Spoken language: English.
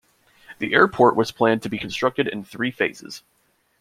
The airport was planned to be constructed in three phases.